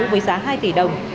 với giá hai tỷ đồng